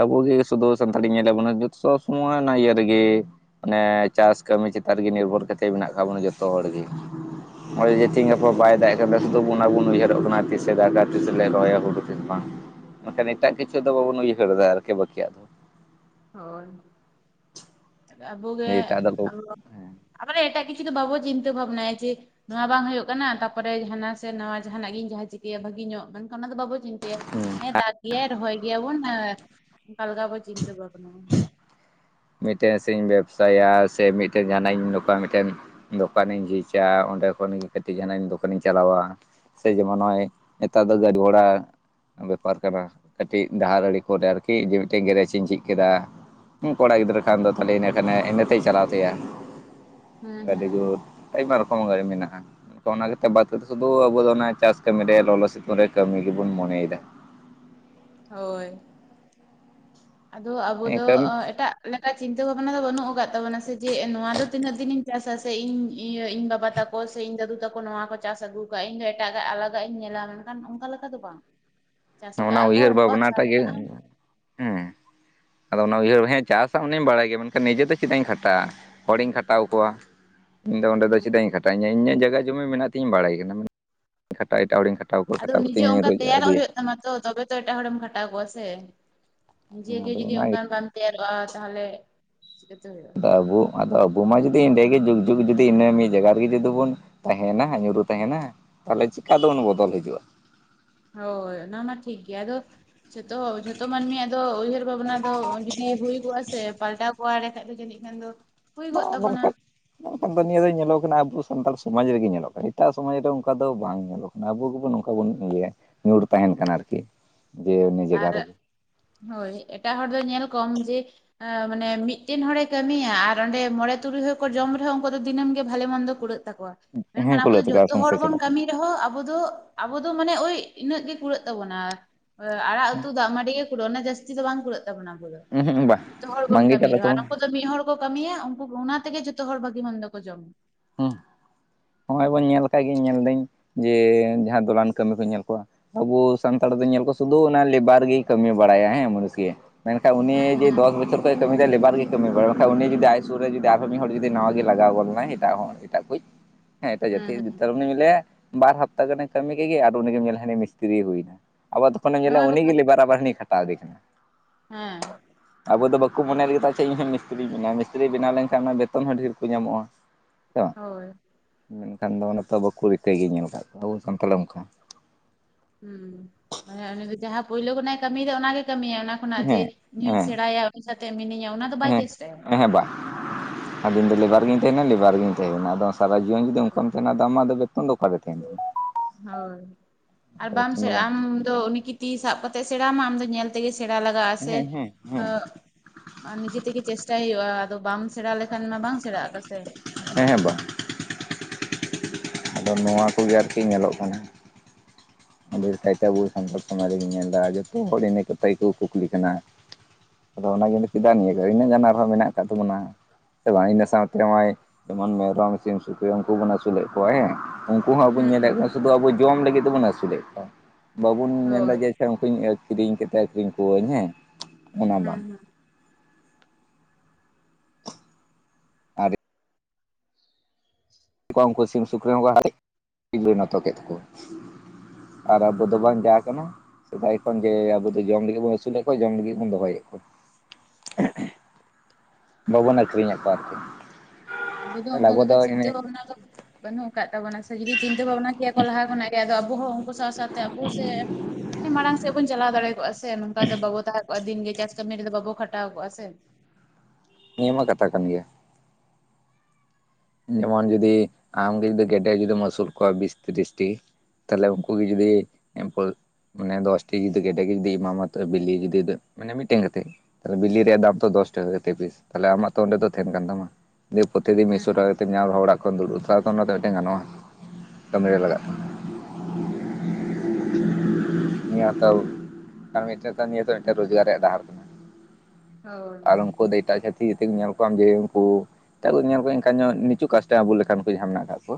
ᱟᱵᱚ ᱜᱮ ᱥᱩᱫᱩ ᱥᱟᱱᱛᱟᱲᱤ ᱧᱮᱞ ᱟᱵᱚᱱᱟ ᱡᱚᱛᱚ ᱥᱚᱵ ᱥᱚᱢᱚᱭ ᱚᱱᱟ ᱤᱭᱟᱹ ᱨᱮ ᱜᱮ ᱢᱟᱱᱮ ᱪᱟᱥ ᱠᱟᱹᱢᱤ ᱪᱮᱛᱟᱱ ᱨᱮ ᱜᱮ ᱱᱤᱨᱵᱷᱚᱨ ᱠᱟᱛᱮᱫ ᱢᱮᱱᱟᱜ ᱠᱟᱫ ᱵᱚᱱᱟ ᱡᱚᱛᱚ ᱦᱚᱲ ᱜᱮ, ᱦᱩᱸ ᱱᱚᱜᱼᱚᱭ ᱡᱮ ᱦᱩᱸ ᱛᱤᱦᱤᱧ ᱜᱟᱯᱟ ᱵᱟᱭ ᱫᱟᱜ ᱟᱠᱟᱫᱟ ᱥᱩᱫᱩ ᱚᱱᱟ ᱵᱚᱱ ᱩᱭᱦᱟᱹᱨᱚᱜ ᱠᱟᱱᱟ ᱛᱤᱥᱮ ᱫᱟᱜᱟ ᱛᱤᱥᱮ ᱞᱮ ᱨᱚᱦᱭᱟ ᱦᱩᱲᱩᱼᱼ ᱥᱮ ᱪᱮᱫ ᱵᱟᱝ ᱢᱮᱱ ᱠᱷᱟᱱ ᱮᱴᱟᱜ ᱠᱤᱪᱷᱩ ᱫᱚ ᱵᱟᱵᱚᱱ ᱩᱭᱦᱟᱹᱨ ᱮᱫᱟ ᱟᱨᱠᱤ ᱵᱟᱹᱠᱤᱭᱟᱜ ᱫᱚ, ᱦᱳᱭ, ᱟᱵᱳ ᱜᱮ ᱡᱮ ᱮᱴᱟᱜ ᱫᱚ ᱦᱮᱸ ᱟᱵᱚ ᱮᱴᱟᱜ ᱠᱤᱪᱷᱩ ᱫᱚ ᱵᱟᱵᱚ ᱪᱤᱱᱛᱟᱹ ᱵᱷᱷᱟᱵᱽᱱᱟᱭ ᱡᱮᱼᱼ ᱱᱚᱣᱟ ᱵᱟᱝ ᱦᱳᱭᱳᱜ ᱠᱟᱱᱟ ᱛᱟᱯᱚᱨᱮ ᱡᱷᱟᱱᱟ ᱥᱮ ᱱᱟᱣᱟ ᱡᱟᱦᱟᱸ ᱱᱟᱜ ᱜᱤᱧ ᱡᱟᱦᱟ ᱪᱤᱠᱟᱹᱭᱟ ᱵᱷᱟᱹᱜᱤ ᱧᱚᱜ ᱢᱮᱱ ᱠᱷᱟᱱ ᱚᱱᱟ ᱫᱚ ᱵᱟᱵᱚ ᱪᱤᱱᱛ ᱦᱮᱸ, ᱫᱟᱜ ᱜᱮᱭᱟᱭ ᱨᱚᱦᱚᱭ ᱜᱮᱭᱟ ᱵᱚᱱ ᱚᱝᱠᱟ ᱞᱮᱠᱟ ᱵᱚᱱ ᱪᱤᱱᱛᱟᱹ ᱵᱷᱟᱵᱱᱟᱭᱟ ᱾ ᱢᱤᱫ ᱴᱮᱱ ᱥᱮᱧ ᱵᱮᱵᱥᱟᱭᱟ ᱥᱮ ᱢᱤᱫ ᱴᱮᱱ ᱡᱟᱦᱟᱱᱟᱜ ᱤᱧ ᱱᱚᱝᱠᱟ ᱢᱤᱫ ᱴᱮᱱᱼᱼ ᱫᱚᱠᱟᱱᱤᱧ ᱡᱷᱤᱡᱟ ᱚᱸᱰᱮ ᱠᱷᱚᱱ ᱜᱮ ᱠᱟᱹᱴᱤᱡ ᱡᱟᱦᱟᱱᱟᱜ ᱤᱧ ᱫᱚᱠᱟᱱᱤᱧ ᱪᱟᱞᱟᱣᱟ ᱾ ᱥᱮ ᱡᱮᱢᱚᱱ ᱱᱚᱜᱼᱚᱭ ᱱᱮᱛᱟᱨ ᱫᱚ ᱜᱟᱹᱰᱤ ᱜᱷᱚᱲᱟ, ᱵᱮᱯᱟᱨ ᱠᱟᱱᱟ ᱠᱟᱹᱴᱤᱡ ᱰᱟᱦᱟᱨ ᱟᱹᱲᱮ ᱠᱚᱨᱮ ᱟᱨᱠᱤ ᱡᱮ ᱢᱤᱫ ᱴᱮᱱ ᱜᱮᱨᱮᱡ ᱤᱧ ᱡᱷᱤᱡ ᱠᱮᱫᱟ ᱾ ᱠᱚᱲᱟ ᱜᱤᱫᱽᱨᱟᱹ ᱠᱷᱟᱱ ᱫᱚ ᱛᱟᱦᱚᱞᱮ ᱤᱱᱟᱹ ᱠᱷᱟᱱᱮ ᱤᱱᱟᱹᱛᱮᱭ ᱪᱟᱞᱟᱣ ᱛᱟᱭᱟ ᱦᱩᱸ ᱟᱹᱰᱤ ᱦᱩᱸ ᱦᱩᱸ ᱡᱳᱨ, ᱟᱭᱢᱟ ᱨᱚᱠᱚᱢ ᱜᱟᱹᱲᱤ ᱢᱮᱱᱟᱜᱼᱟ᱾ ᱛᱚ ᱚᱱᱟ ᱠᱟᱛᱮ ᱵᱟᱫᱽ ᱠᱟᱛᱮ ᱥᱩᱫᱷᱩ ᱟᱵᱚ ᱚᱱᱟ ᱪᱟᱥ ᱠᱟᱹᱢᱤ ᱨᱮ ᱞᱚᱞᱚ ᱥᱤᱛᱩᱝ ᱨᱮ ᱠᱟᱹᱢᱤ ᱜᱮᱵᱚᱱ ᱢᱚᱱᱮ ᱭᱮᱫᱟ ᱾ ᱦᱳᱭ, ᱟᱫᱚ ᱟᱵᱚ ᱫᱚ ᱮᱱᱠᱷᱟᱱ ᱮᱴᱟᱜ ᱞᱮᱠᱟ ᱪᱤᱱᱛᱟᱹ ᱵᱷᱟᱵᱽᱱᱟ ᱫᱚ ᱵᱟᱹᱱᱩᱜ ᱟᱠᱟᱫ ᱛᱟᱵᱚᱱᱟ ᱥᱮ ᱡᱮ ᱱᱚᱣᱟ ᱫᱚ ᱛᱤᱱᱟᱹᱜ ᱫᱤᱱᱤᱧ ᱪᱟᱥᱟ ᱾ ᱥᱮ ᱤᱧ ᱤᱭᱟᱹ ᱤᱧ ᱵᱟᱵᱟ ᱛᱟᱠᱚ ᱥᱮ ᱤᱧ ᱫᱟᱫᱩ ᱛᱟᱠᱚ ᱱᱚᱣᱟ ᱠᱚ ᱪᱟᱥ ᱟᱹᱜᱩ ᱟᱠᱟᱫᱼᱟ, ᱤᱧ ᱫᱚ ᱮᱴᱟᱜ ᱟᱞᱟᱫᱟᱜ ᱤᱧ ᱧᱮᱞᱟ ᱾ ᱠᱷᱟᱱ ᱚᱝᱠᱟ ᱞᱮᱠᱟ ᱫᱚ ᱵᱟᱝ ᱪᱟᱥ ᱟᱠᱟᱜᱼᱟ ᱠᱚ ᱩᱱᱠᱩᱣᱟᱜ ᱦᱟᱥᱟ ᱢᱮᱱᱟᱜᱼᱟ ᱾ ᱦᱩᱸ, ᱟᱫᱚ ᱚᱱᱟ ᱩᱭᱦᱟᱹᱨ ᱦᱮᱸ ᱪᱟᱥᱟ ᱩᱱᱤᱧ ᱵᱟᱲᱟᱭ ᱜᱮᱭᱟ ᱢᱮᱱ ᱠᱷᱟᱱ ᱱᱤᱡᱮ ᱛᱮ ᱪᱮᱫᱟᱜ ᱤᱧ ᱠᱷᱟᱴᱟᱜᱼᱟ ᱾ ᱦᱚᱲᱤᱧ ᱠᱷᱟᱴᱟᱣ ᱠᱚᱣᱟ, ᱤᱧ ᱫᱚ ᱚᱸᱰᱮ ᱫᱚ ᱪᱮᱫᱟᱜ ᱤᱧ ᱠᱷᱟᱴᱟᱜᱼᱟ, ᱤᱧᱟ ᱤᱧᱟᱹᱜ ᱡᱟᱭᱜᱟ ᱡᱩᱢᱤ ᱢᱮᱱᱟᱜ ᱛᱤᱧ ᱵᱟᱲᱟᱭ ᱠᱟᱱᱟ ᱾ ᱠᱷᱟᱴᱟᱣ ᱮᱴᱟᱜ ᱦᱚᱲᱤᱧ ᱠᱷᱟᱴᱟᱣ ᱠᱚᱣᱟ ᱠᱷᱟᱴᱟᱣ ᱠᱟᱛᱮᱧ ᱨᱚᱡᱜᱟᱨ ᱟᱹᱜᱩᱭᱟ ᱾ ᱢᱟᱛᱚ ᱛᱚᱵᱮ ᱛᱚ ᱮᱴᱟᱜ ᱦᱚᱲᱮᱢ ᱠᱷᱟᱴᱟᱣ ᱠᱚᱣᱟ ᱥᱮ ᱱᱤᱡ ᱜᱮ ᱟᱫᱚ ᱡᱩᱫᱤ ᱚᱱᱟ ᱚᱝᱠᱟ ᱵᱟᱢ [inaudible] ᱛᱟᱦᱞᱮ ᱪᱤᱠᱟᱹᱛᱮ ᱦᱳᱭᱳᱜ-ᱟ᱾ ᱟᱫᱚ ᱟᱵᱚ ᱟᱫᱚ ᱢᱟ ᱡᱩᱫᱤ ᱮᱸᱰᱮᱜᱮ ᱡᱩᱜᱽ ᱡᱩᱜᱽ ᱡᱩᱫᱤ ᱤᱱᱟᱹ ᱢᱤᱫ ᱡᱟᱭᱜᱟ ᱨᱮ ᱜᱮ ᱡᱩᱫᱤ ᱵᱚᱱ ᱛᱟᱸᱦᱮᱱᱟ ᱧᱩᱨᱩ ᱛᱟᱸᱦᱮᱱᱟ ᱛᱟᱦᱚᱞᱮ ᱪᱮᱠᱟ ᱛᱮ ᱵᱚᱱ ᱵᱚᱫᱚᱞ ᱦᱤᱡᱩᱜᱼᱟ? ᱦᱳᱭ, ᱚᱱᱟ ᱢᱟ ᱴᱷᱤᱠ ᱜᱮᱭᱟ ᱟᱫᱚ ᱡᱷᱚᱛᱚ ᱡᱷᱚᱛᱚ ᱢᱟᱹᱱᱢᱤᱭᱟᱜ ᱫᱚ ᱩᱭᱦᱟᱹᱨ ᱵᱷᱟᱵᱽᱱᱟ ᱫᱚ ᱡᱩᱫᱤ ᱦᱩᱭ ᱠᱚᱜ-ᱟ ᱥᱮ ᱯᱟᱞᱴᱟᱣ ᱠᱚᱜ-ᱟ ᱮᱸᱰᱮ ᱠᱷᱟᱡ ᱫᱚ ᱡᱟᱹᱱᱤᱡ ᱠᱷᱟᱡ ᱫᱚ᱾ ᱦᱩᱭ ᱠᱚᱜ ᱛᱟᱵᱚᱱᱟ ᱦᱚᱸᱜ-ᱚᱭ ᱜᱚᱝᱠᱮ᱾ ᱱᱤᱭᱟᱹ ᱫᱚ ᱧᱮᱞᱚᱜ ᱠᱟᱱᱟ ᱟᱵᱚ ᱥᱟᱱᱛᱟᱲ ᱥᱚᱢᱟᱡᱽ ᱨᱮᱜᱮ ᱧᱮᱞᱚᱜ-ᱟ, ᱮᱴᱟᱜ ᱥᱚᱢᱟᱡᱽ ᱨᱮ ᱚᱱᱠᱟ ᱫᱚ ᱵᱟᱝ ᱧᱮᱞᱚᱜ᱾ ᱟᱵᱚ ᱜᱮᱵᱚᱱ ᱱᱚᱝᱠᱟ ᱵᱚᱱ ᱤᱭᱟᱹ ᱭᱟ, ᱧᱩᱨ ᱛᱟᱸᱦᱮᱱ ᱠᱟᱱᱟ ᱟᱨᱠᱤ ᱡᱮ, ᱤᱱᱟᱹ ᱡᱟᱭᱜᱟ ᱟᱨ ᱨᱮᱜᱮ᱾ ᱦᱳᱭ, ᱮᱴᱟᱜ ᱦᱚᱲ ᱫᱚ ᱧᱮᱞ ᱠᱚᱢ ᱡᱮ ᱢᱟᱱᱮ ᱢᱤᱫᱴᱮᱱ ᱦᱚᱲᱮ ᱠᱟᱹᱢᱤᱭᱟ ᱟᱨ ᱚᱸᱰᱮ ᱢᱚᱬᱮᱸ ᱛᱩᱨᱩᱭ ᱦᱚᱲᱠᱚ ᱡᱚᱢ ᱨᱮᱦᱚᱸ ᱩᱱᱠᱩᱣᱟᱜ ᱫᱚ ᱫᱤᱱᱟᱹᱢ ᱜᱮ ᱵᱷᱟᱞᱮ ᱢᱚᱱᱫᱚ᱾ ᱠᱩᱲᱟᱹᱜ ᱛᱟᱠᱚᱣᱟ, ᱦᱮᱸ ᱢᱮᱱᱠᱷᱟᱱ ᱟᱵᱚ ᱠᱷᱩᱞᱟᱹᱣ ᱫᱚ ᱛᱟᱠᱚᱣᱟ ᱡᱚᱛᱚ ᱦᱚᱲ ᱥᱚᱝᱥᱟᱨ ᱵᱚᱱ ᱪᱟᱞᱟᱜ ᱠᱟᱹᱢᱤ ᱨᱮᱸᱦᱚ ᱟᱵᱚ ᱫᱚ ᱟᱵᱚ ᱫᱚ ᱢᱟᱱᱮ ᱳᱭ ᱤᱱᱟᱹᱜ ᱜᱮ ᱠᱩᱲᱟᱹᱜ ᱛᱟᱵᱚᱱᱟ᱾ ᱟᱲᱟᱜ ᱩᱛᱩ ᱫᱟᱜ ᱢᱟᱹᱰᱤ ᱜᱮ ᱠᱩᱲᱟᱹᱜᱼᱟ, ᱚᱱᱟ ᱡᱟᱹᱥᱛᱤ ᱫᱚ ᱵᱟᱝ ᱠᱩᱲᱟᱹᱜ ᱛᱵᱚᱱᱟ ᱟᱵᱚ ᱫᱚ᱾ ᱩᱸᱦᱩᱜ ᱵᱟ ᱡᱷᱚᱛᱚ ᱦᱚᱲ ᱵᱚᱱ ᱵᱟᱝᱜᱮ ᱠᱟᱹᱢᱤ ᱪᱟᱞᱟᱜ ᱨᱮᱦᱚᱸ ᱟᱨ ᱛᱟᱵᱚᱱᱟ ᱩᱱ ᱠᱩ ᱫᱚ ᱢᱤᱫ ᱦᱚᱲ ᱠᱟᱹᱢᱤᱭᱟ ᱩᱱᱠᱩ ᱚᱱᱟ ᱛᱮᱜᱮ ᱡᱷᱚᱛᱚ ᱦᱚᱲ ᱵᱷᱟᱹᱜᱤ ᱢᱚᱱᱫᱚ ᱠᱚ ᱡᱚᱢᱟ᱾ ᱦᱩᱸ, ᱦᱚᱸᱜ-ᱚᱭ ᱵᱚᱱ ᱧᱮᱞ ᱠᱟᱜ ᱜᱤᱭᱟᱹᱧ ᱧᱮᱞᱫᱟᱹᱧ ᱡᱮ, ᱡᱟᱦᱟᱸ ᱫᱚᱞᱟᱱ ᱠᱟᱹᱢᱤ ᱠᱩᱧ ᱧᱮᱞ ᱠᱚᱣᱟ᱾ ᱟᱵᱚ ᱥᱟᱱᱛᱟᱲ ᱫᱚ ᱧᱮᱞ ᱠᱚ ᱥᱩᱫᱷᱩ ᱚᱱᱟ ᱞᱮᱵᱟᱨ ᱜᱮᱭ ᱠᱟᱹᱢᱤ ᱵᱟᱲᱟᱭᱟ ᱦᱮᱸ ᱢᱩᱱᱤᱥ ᱜᱮ᱾ ᱢᱮᱱᱠᱷᱟᱱ ᱩᱱᱤ ᱦᱩᱸ ᱦᱩᱸ ᱡᱮ ᱫᱚᱥ ᱵᱚᱪᱷᱚᱨ [unintelligible] ᱩᱱᱤ ᱫᱚ ᱞᱮᱵᱟᱨ ᱜᱮᱭ ᱠᱟᱹᱢᱤ ᱵᱟᱲᱟᱭᱟ, ᱵᱟᱠᱷᱟᱡ ᱩᱱᱤ ᱡᱩᱫᱤ ᱟᱡ ᱥᱩᱨ ᱨᱮ ᱡᱩᱫᱤ ᱟᱨᱦᱚᱸ ᱢᱤᱫ ᱦᱚᱲ ᱡᱩᱫᱤ ᱱᱟᱣᱟ ᱜᱮ ᱞᱟᱜᱟᱣ ᱜᱚᱫ ᱮᱱᱟᱭ ᱮᱴᱟᱜ ᱦᱚᱲ ᱮᱴᱟᱜ ᱠᱩᱡ ᱦᱮᱸ ᱮᱴᱟᱜ ᱡᱟᱹᱛᱤ ᱦᱩᱸ ᱦᱩᱸ ᱩᱱᱤ ᱞᱟᱹᱭᱟ ᱵᱟᱨ ᱦᱟᱯᱛᱟ ᱜᱟᱱᱮ ᱠᱟᱹᱢᱤ ᱠᱮᱜᱮᱭᱟ ᱟᱨ ᱩᱱᱤ ᱜᱮᱢ ᱧᱮᱞᱟ ᱦᱟᱹᱱᱤ ᱢᱤᱥᱛᱤᱨᱤ ᱦᱩᱭᱱᱟ ᱟᱵᱟᱨ ᱛᱚᱠᱷᱚᱱᱮᱢ ᱦᱩᱸ ᱧᱮᱞᱟ ᱦᱳᱭ ᱩᱱᱤᱜᱮ ᱵᱟᱠᱷᱟᱡ ᱞᱮᱵᱟᱨ ᱟᱵᱟᱨ ᱦᱟᱱᱤ ᱠᱷᱟᱴᱟᱣ ᱫᱮ ᱠᱟᱱᱟ᱾ ᱦᱮᱸ᱾ ᱟᱵᱚ ᱫᱚ ᱵᱟᱠᱚ ᱢᱚᱱᱮ ᱞᱮᱫᱟ ᱡᱮ ᱤᱧ ᱦᱚᱸ ᱢᱤᱥᱛᱨᱤᱧ ᱵᱮᱱᱟᱣᱟ, ᱢᱤᱥᱛᱨᱤ ᱵᱮᱱᱟᱣ ᱞᱮᱱᱠᱷᱟᱱ ᱚᱱᱟ ᱵᱮᱛᱚᱱ ᱦᱚᱸ ᱰᱷᱮᱨ ᱠᱚ ᱧᱟᱢᱚᱜ-ᱟ᱾ ᱦᱮᱸᱥᱮ ᱵᱟᱝ? ᱦᱳᱭ ᱢᱮᱱᱠᱷᱟᱱ ᱫᱚ ᱱᱮᱛᱟᱨ ᱵᱟᱠᱚ ᱨᱤᱠᱟᱹᱭ ᱜᱮᱭᱟ ᱧᱮᱞ ᱟᱠᱟᱫ ᱠᱚᱣᱟ ᱟᱵᱚ ᱥᱟᱱᱛᱟᱲ ᱚᱱᱠᱟ᱾ ᱦᱩᱸ, ᱩᱱᱤ ᱫᱚ ᱡᱟᱦᱟᱸ ᱯᱳᱭᱞᱳ ᱠᱷᱚᱱᱟᱜ ᱮ ᱠᱟᱹᱢᱤᱭᱟ ᱚᱱᱟᱜᱮ ᱠᱟᱹᱢᱤᱭᱟ ᱚᱱᱟ ᱠᱷᱚᱱᱟᱜ ᱡᱮ ᱦᱮᱸ ᱤᱧᱦᱩᱧ ᱦᱮᱸ ᱥᱮᱬᱟᱭᱟ ᱩᱱᱤ ᱥᱟᱛᱮ ᱢᱤᱱᱟᱹᱧᱟ ᱚᱱᱟ ᱫᱚ ᱵᱟᱭ ᱪᱮᱥᱴᱟᱭᱟ᱾ ᱟᱫᱚ ᱤᱧ ᱫᱚ ᱞᱮᱵᱟᱨ ᱜᱤᱧ ᱛᱟᱸᱦᱮᱱᱟ ᱞᱮᱵᱟᱨ ᱜᱤᱧ ᱛᱟᱦᱮᱸᱮᱱᱟ, ᱟᱫᱚ ᱥᱟᱨᱟ ᱡᱤᱭᱚᱱ ᱡᱩᱫᱤ ᱚᱱᱠᱟᱢ ᱛᱟᱸᱦᱮᱱᱟ ᱟᱢᱟᱜ ᱫᱚ ᱵᱮᱛᱚᱱ ᱫᱚ ᱚᱠᱟᱨᱮ ᱛᱟᱸᱦᱮᱱ ᱛᱟᱢᱟ᱾ ᱦᱳᱭ, ᱟᱨ ᱵᱟᱢ ᱵᱮᱛᱚᱱ ᱥᱮ ᱫᱚ ᱵᱟᱝ ᱟᱢ ᱫᱚ ᱩᱱᱤᱠᱤ ᱛᱤ ᱥᱟᱵ ᱠᱟᱛᱮ ᱮ ᱥᱮᱬᱟ ᱟᱢᱟ ᱟᱢ ᱫᱚ ᱧᱮᱞ ᱛᱮᱜᱮ ᱥᱮᱬᱟ ᱞᱟᱜᱟᱜ-ᱟ ᱥᱮ᱾ ᱦᱮᱸ ᱦᱮᱸ ᱦᱮᱸ ᱟᱹᱜ ᱱᱤᱡᱮ ᱛᱮᱜᱮ ᱪᱮᱥᱴᱟᱭ ᱦᱩᱭᱩᱜ-ᱟ᱾ ᱟᱫᱚ ᱵᱟᱢ ᱥᱮᱬᱟ ᱞᱮᱠᱷᱟᱱ ᱢᱟ ᱵᱟᱝ ᱥᱮᱬᱟᱜ ᱠᱟᱱᱟ ᱥᱮ᱾ ᱦᱮᱸ ᱦᱮᱸ ᱵᱟ᱾ ᱟᱫᱚ ᱱᱚᱣᱟ ᱠᱚᱜᱮ ᱟᱨᱠᱤ ᱧᱮᱞᱚᱜ ᱠᱟᱱᱟ᱾ [unintelligible] ᱰᱷᱮᱨ ᱠᱟᱭᱛᱮ ᱟᱵᱚ ᱥᱟᱱᱛᱟᱲ ᱥᱚᱢᱟᱡᱽ ᱨᱮᱜᱮᱧ ᱧᱮᱞ ᱫᱟ ᱡᱷᱚᱛᱚ ᱦᱚᱲ ᱜᱮ ᱤᱱᱟᱹ ᱠᱟᱛᱷᱟ ᱜᱮᱠᱚ ᱠᱩᱠᱞᱤ ᱠᱟᱱᱟ᱾ ᱟᱫᱚ ᱚᱱᱟ ᱜᱮ ᱪᱮᱫᱟᱜ ᱱᱤᱭᱟᱹᱜᱮ ᱤᱱᱟᱹᱜ ᱜᱟᱱ ᱟᱨᱦᱚᱸ ᱢᱮᱱᱟᱜ ᱟᱠᱟᱫ ᱛᱟᱵᱚᱱᱟ᱾ ᱦᱮᱸᱥᱮ ᱵᱟᱝ ᱤᱱᱟᱹ ᱥᱟᱶᱛᱮ ᱱᱚᱜ-ᱚᱭ ᱡᱮᱢᱚᱱ ᱢᱮᱨᱚᱢ ᱥᱤᱢ ᱥᱩᱠᱨᱤ ᱩᱱᱠᱩ ᱵᱚᱱ ᱟᱹᱥᱩᱞᱮᱫ ᱠᱚᱣᱟ ᱦᱮᱸ ᱩᱱᱠᱩ ᱦᱚᱸ ᱟᱵᱚᱧ ᱦᱮᱸ ᱧᱮᱞᱮᱫ ᱦᱮᱸ ᱠᱚᱣᱟ ᱥᱩᱫᱷᱩ ᱟᱵᱚ ᱡᱚᱢ ᱞᱟᱹᱜᱤᱫ ᱛᱮᱵᱚᱱ ᱟᱹᱥᱩᱞᱮᱫ ᱠᱚᱣᱟ᱾ ᱵᱟᱵᱚᱱ ᱢᱮᱱ ᱮᱫᱟ ᱦᱳᱭ ᱡᱮ, ᱟᱪᱪᱷᱟ ᱩᱱᱠᱩᱧ ᱠᱤᱨᱤᱧ ᱠᱟᱛᱮ ᱟᱹᱠᱷᱨᱤᱧ ᱠᱚᱣᱟᱹᱧ ᱦᱮᱸ᱾ ᱚᱱᱟ ᱵᱟᱝ ᱦᱮᱸ᱾ ᱟᱨ [unintelligible] ᱩᱱᱠᱩ ᱥᱤᱢ ᱥᱩᱠᱨᱤ ᱦᱚᱸᱠᱚ ᱦᱟᱞᱮᱡ ᱯᱚᱨᱤ ᱱᱚᱛᱚ ᱠᱮᱫ ᱠᱚᱣᱟ᱾ ᱟᱨ ᱟᱵᱚ ᱫᱚ ᱦᱮᱸ ᱵᱟᱝ ᱡᱟ ᱠᱟᱱᱟ ᱥᱮᱫᱟᱭ ᱠᱷᱚᱱ ᱡᱮ ᱟᱵᱚ ᱡᱚᱢ ᱞᱟᱹᱜᱤᱫ ᱵᱚᱱ ᱟᱹᱥᱩᱞᱮᱫ ᱠᱚᱣᱟ, ᱡᱚᱢ ᱞᱟᱹᱜᱤᱫ ᱵᱚᱱ ᱫᱚᱦᱚᱭᱮᱫ ᱠᱚᱣᱟ᱾ ᱵᱟᱵᱚᱱ ᱟᱹᱠᱷᱨᱤᱧᱮᱫ ᱠᱚᱣᱟ ᱟᱨᱠᱤ᱾ ᱟᱵᱚ ᱫᱚ ᱚᱱᱠᱟ ᱞᱮᱠᱟ ᱪᱤᱱᱛᱟᱹ ᱵᱷᱟᱵᱽᱱᱟ ᱫᱚ ᱵᱟᱹᱱᱩᱜ ᱟᱠᱟᱫ ᱛᱟᱵᱚᱱᱟ ᱥᱮ, ᱡᱩᱫᱤ ᱪᱤᱱᱛᱟᱹ ᱵᱷᱟᱵᱱᱟ ᱠᱮᱭᱟ ᱠᱚ ᱞᱟᱦᱟ ᱠᱷᱚᱱᱟᱜ ᱜᱮ ᱟᱫᱚ ᱦᱚᱸ ᱩᱱᱠᱩ ᱥᱟᱶ ᱥᱟᱶᱛᱮ ᱟᱵᱚ ᱥᱮ ᱢᱟᱲᱟᱝ ᱥᱮᱜ ᱵᱚᱱ ᱪᱟᱞᱟᱣ ᱫᱟᱲᱮ ᱠᱚᱜ-ᱟ ᱥᱮ, ᱱᱚᱝᱠᱟ ᱫᱚ ᱵᱟᱵᱚ ᱛᱟᱦᱮᱸ ᱠᱚᱜ-ᱟ ᱫᱤᱱ ᱜᱮ ᱪᱟᱥ ᱠᱟᱹᱢᱤ ᱨᱮᱫᱚ ᱵᱟᱵᱚ ᱠᱷᱟᱴᱟᱣ ᱠᱚᱜ-ᱟ ᱥᱮ᱾ ᱱᱤᱭᱟᱹ ᱢᱟ ᱠᱟᱛᱷᱟ ᱠᱟᱱ ᱜᱮᱭᱟ᱾ ᱡᱮᱢᱚᱱ ᱡᱩᱫᱤ ᱟᱢᱜᱮ ᱡᱩᱫᱤ ᱜᱮᱰᱮ ᱡᱩᱫᱤᱢ ᱟᱹᱥᱩᱞ ᱠᱚᱣᱟ ᱵᱤᱥ ᱛᱤᱨᱤᱥᱴᱤ᱾ ᱛᱟᱦᱚᱞᱮ ᱩᱱᱠᱩ ᱜᱮ ᱡᱩᱫᱤ ᱮᱢᱯᱟᱹᱼᱼ ᱢᱟᱱᱮ ᱫᱚᱥ ᱴᱤ ᱡᱩᱫᱤ ᱜᱮᱰᱮ ᱜᱮ ᱡᱩᱫᱤ ᱮᱢᱟᱢᱟ ᱛᱚ ᱵᱤᱞᱤ ᱡᱩᱫᱤ ᱢᱟᱱᱮ ᱢᱤᱫᱴᱮᱱ ᱠᱟᱛᱮᱜ᱾ ᱛᱟᱞᱮ ᱵᱤᱞᱤ ᱨᱮᱭᱟᱜ ᱫᱟᱢ ᱛᱚ ᱫᱚᱥ ᱴᱟᱠᱟ ᱠᱟᱛᱮᱜ ᱯᱤᱥ ᱛᱟᱦᱞᱮ ᱟᱢᱟᱜ ᱛᱚ ᱚᱸᱰᱮ ᱫᱚ ᱛᱟᱦᱮᱱ ᱠᱟᱱ ᱛᱟᱢᱟ᱾ ᱫᱤᱭᱮ ᱯᱨᱚᱛᱤᱫᱤᱱ ᱢᱤᱫᱥᱚ ᱦᱮᱸ ᱴᱟᱠᱟ ᱧᱟᱢ ᱨᱮᱦᱚᱸ ᱚᱲᱟᱜ ᱠᱷᱚᱱ ᱫᱩᱲᱩᱵ ᱥᱟᱣ ᱠᱷᱚᱱ ᱱᱚᱛᱮ ᱢᱤᱫᱴᱮᱱ ᱜᱟᱱᱚᱜᱼᱟ᱾ ᱠᱟᱹᱢᱤ ᱨᱮ ᱞᱟᱜᱟᱜ ᱠᱟᱱᱟ᱾ ᱱᱤᱭᱟᱹ ᱦᱚᱛᱟᱣ ᱠᱟᱢᱤ ᱟᱛᱮ ᱠᱟᱢᱤ ᱟᱛᱮ ᱢᱤᱫᱴᱮᱡ ᱨᱳᱡᱽᱜᱟᱨ ᱨᱮᱭᱟᱜ ᱰᱟᱦᱟᱨ ᱠᱟᱱᱟ᱾ ᱦᱳᱭ ᱟᱨ ᱩᱱᱠᱩ ᱫᱚ ᱮᱴᱟᱜ ᱡᱷᱟᱹᱛᱤ ᱮᱛᱮᱢ ᱧᱮᱞ ᱠᱚᱣᱟᱢ ᱡᱮ ᱩᱱᱠᱩ ᱮᱴᱟᱜ ᱠᱚ ᱧᱮᱞ ᱠᱚᱣᱟ ᱮᱱᱠᱷᱟᱱ ᱧᱚᱜ ᱱᱤ ᱠᱤᱪᱷᱩ ᱠᱟᱥᱴᱮ ᱟᱵᱚ ᱞᱮᱠᱟᱱ ᱠᱚ ᱡᱟᱦᱟᱸ ᱢᱮᱱᱟᱜ ᱠᱟᱜ ᱠᱚᱣᱟ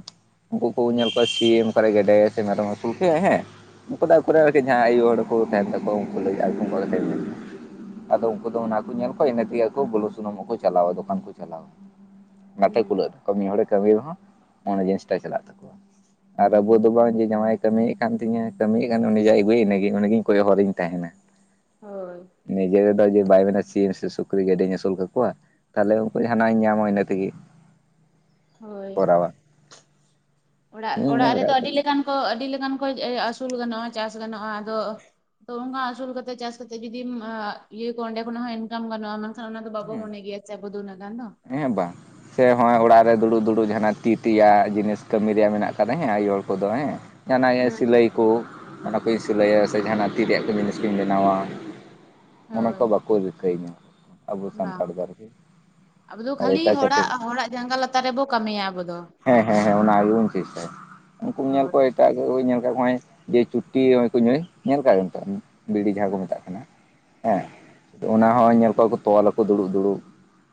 ᱩᱱᱠᱩ ᱠᱚ ᱧᱮᱞ ᱦᱩᱸ ᱠᱚᱣᱟ ᱥᱤ ᱮᱢ ᱚᱠᱟᱨᱮ ᱜᱮᱰᱮ ᱥᱮ ᱢᱮᱨᱚᱢᱮ ᱟᱹᱥᱩᱞ ᱠᱟᱭᱟ ᱦᱮᱸ ᱩᱱᱠᱩ ᱫᱚ ᱟᱹᱠᱩᱨᱮᱱ ᱟᱨᱠᱤ ᱡᱟᱦᱟᱸ ᱟᱭᱚ ᱦᱚᱲ ᱠᱚ ᱛᱟᱦᱮᱱ ᱛᱟᱠᱚᱣᱟ ᱩᱱᱠᱩ ᱞᱟᱹᱜᱤᱫ [unintelligible] ᱟᱫᱚ ᱩᱱᱠᱩ ᱫᱚ ᱚᱱᱟᱠᱩ ᱧᱮᱞ ᱠᱚᱣᱟ ᱤᱱᱟᱹ ᱛᱮᱜᱮ ᱟᱠᱚ ᱵᱩᱞᱩ ᱥᱩᱱᱩᱢ ᱦᱚᱸᱠᱚ ᱪᱟᱞᱟᱣᱟ ᱫᱚᱠᱟᱱ ᱠᱚ ᱪᱟᱞᱟᱣᱟ᱾ ᱚᱱᱟᱛᱮ ᱦᱩᱸ ᱠᱩᱞᱟᱹᱜ ᱛᱟᱠᱚᱣᱟ, ᱢᱤᱫ ᱦᱚᱲᱮ ᱠᱟᱹᱢᱤᱭ ᱨᱮᱦᱚᱸ ᱢᱚᱱᱮ ᱡᱤᱱᱤᱥ ᱴᱟᱜ ᱪᱟᱞᱟᱜ ᱛᱟᱠᱚᱣᱟ᱾ ᱟᱨ ᱟᱵᱩ ᱫᱚ ᱵᱟᱝ ᱡᱮ ᱡᱟᱶᱟᱭᱮ ᱠᱟᱹᱢᱤᱭᱮᱫ ᱠᱟᱱ ᱛᱤᱧᱟᱹ ᱠᱟᱹᱢᱤᱭᱮᱫ ᱠᱟᱱ ᱩᱱᱤ ᱡᱟᱭ ᱟᱹᱜᱩᱭ ᱤᱱᱟᱹ ᱜᱮ ᱩᱱᱤᱜᱮᱧ ᱠᱚᱭᱚᱜ ᱦᱚᱨᱤᱧ ᱛᱟᱦᱮᱱᱟ᱾ ᱦᱳᱭ᱾ ᱱᱤᱡᱮ ᱨᱮᱫᱚ ᱡᱮ ᱵᱟᱭ ᱢᱮᱱᱟ ᱥᱤᱢ ᱥᱮ ᱥᱩᱠᱨᱤ ᱜᱮᱰᱮᱧ ᱟᱹᱥᱩᱞ ᱠᱟᱠᱚᱣᱟ᱾ ᱛᱟᱦᱚᱞᱮ ᱩᱱᱠᱩ ᱡᱟᱦᱟᱱᱟᱜ ᱤᱧ ᱧᱟᱢᱟ ᱤᱱᱟᱹ ᱛᱮᱜᱮ ᱦᱳᱭ ᱠᱚᱨᱟᱣᱟ᱾ ᱚᱲᱟᱜ ᱤᱧᱤᱧ ᱚᱲᱟᱜ ᱧᱮᱞ ᱨᱮᱫᱚ ᱟᱠᱟᱫ ᱟᱹᱰᱤ ᱠᱚᱣᱟ ᱞᱮᱠᱟᱱ ᱠᱚ ᱟᱹᱰᱤ ᱞᱮᱠᱟᱱ ᱠᱚ ᱮ ᱟᱹᱥᱩᱞ ᱜᱟᱱᱚᱜᱼᱟ ᱪᱟᱥ ᱜᱟᱱᱚᱜᱼᱟ ᱟᱫᱚ ᱛᱚ ᱚᱱᱠᱟ ᱟᱹᱥᱩᱞ ᱠᱟᱛᱮ ᱪᱟᱥ ᱠᱟᱛᱮ ᱡᱩᱫᱤᱢ ᱟᱻ ᱤᱭᱟᱹ ᱠᱚᱣᱟ ᱚᱸᱰᱮ ᱠᱷᱚᱱᱟᱜ ᱦᱚᱸ ᱤᱱᱠᱟᱢ ᱜᱟᱱᱚ-ᱟ ᱚᱱᱟ ᱚᱱᱟ ᱫᱚ ᱵᱟᱵᱚ ᱦᱮᱸ ᱢᱚᱱᱮ ᱜᱮᱭᱟᱪᱮ ᱟᱵᱚᱫᱚ ᱩᱱᱟᱹᱜ ᱜᱟᱱ ᱫᱚ᱾ ᱦᱮᱸ ᱵᱟᱝ᱾ ᱥᱮ ᱦᱚᱸᱜᱼᱚᱭ ᱚᱲᱟᱜ ᱨᱮ ᱫᱩᱲᱩᱵ ᱫᱩᱲᱩᱵ ᱡᱟᱦᱱᱟᱜ ᱛᱤ ᱛᱮᱭᱟᱜ ᱡᱤᱱᱤᱥ ᱠᱟᱹᱢᱤ ᱨᱮᱭᱟᱜ ᱢᱮᱱᱟᱜ ᱟᱠᱟᱫᱟ ᱦᱮᱸ ᱟᱭᱳ ᱦᱚᱲ ᱠᱚᱫᱚ ᱦᱮᱸ᱾ ᱡᱟᱦᱱᱟᱜ ᱮ ᱦᱩᱸ ᱥᱤᱞᱟᱹᱭ ᱠᱚ ᱚᱱᱟ ᱠᱚᱭ ᱥᱤᱞᱟᱹᱭᱟ ᱥᱮ ᱡᱟᱦᱟᱱᱟᱜ ᱛᱤ ᱨᱮᱭᱟᱜ ᱠᱚ ᱡᱤᱱᱤᱥ ᱠᱚᱧ ᱵᱮᱱᱟᱣᱟ᱾ ᱚᱱᱟ ᱦᱳᱭ ᱠᱚ ᱵᱟᱠᱚ ᱨᱤᱠᱟᱹᱭᱧᱟ ᱟᱵᱚ ᱵᱟᱝ ᱥᱟᱱᱛᱟᱲ ᱫᱚ ᱟᱨᱠᱤ᱾ ᱟᱵᱚ ᱫᱚ ᱟᱨ ᱠᱷᱟᱹᱞᱤ ᱮᱴᱟᱜ ᱦᱚᱲᱟᱜ ᱪᱷᱟᱹᱛᱤᱠ ᱦᱚᱲᱟᱜ ᱡᱟᱸᱜᱟ ᱞᱟᱛᱟᱨ ᱨᱮᱵᱚ ᱠᱟᱹᱢᱤᱭᱟ ᱟᱵᱚ ᱫᱚ᱾ ᱦᱮᱸ ᱦᱮᱸ ᱦᱮᱸ, ᱚᱱᱟ ᱜᱮᱵᱚᱱ ᱪᱤᱥᱴᱟᱭᱟ ᱩᱱᱠᱩᱢ ᱧᱮᱞ ᱦᱳᱭ ᱠᱚᱣᱟ ᱮᱴᱟᱜ ᱠᱩᱧ ᱧᱮᱞ ᱠᱟᱜ ᱠᱚ ᱦᱚ-ᱚᱭ ᱡᱮ ᱪᱩᱴᱤ ᱦᱚᱸᱜ-ᱚᱭ ᱠᱚ ᱧᱩᱭ ᱧᱮᱞ ᱠᱟᱜ ᱠᱚᱣᱟᱢ ᱛᱚ ᱵᱤᱲᱤ ᱡᱟᱦᱟᱸ ᱠᱚ ᱢᱮᱛᱟᱜ ᱠᱟᱱᱟ ᱦᱮᱸ ᱚᱱᱟ ᱦᱚᱸ ᱧᱮᱞ ᱠᱚᱣᱟ ᱠᱚ ᱛᱚᱞ ᱟᱠᱚ ᱫᱩᱲᱩᱵ ᱫᱩᱲᱩᱵ᱾